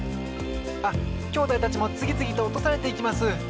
あっきょうだいたちもつぎつぎとおとされていきます！